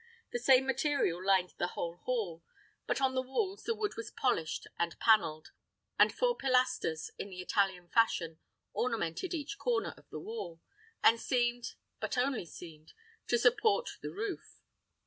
The same material lined the whole hall; but on the walls the wood was polished and paneled, and four pilasters, in the Italian fashion, ornamented each corner of the wall, and seemed, but only seemed, to support the roof.